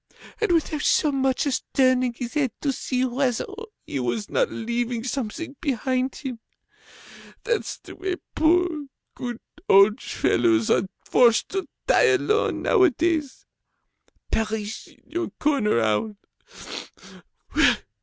And without so much as turning his head to see whether he was not leaving something behind him! That's the way poor, good old fellows are forced to die alone, nowadays. Perish in your corner, owl!